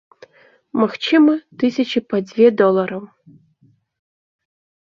Магчыма, тысячы па дзве долараў.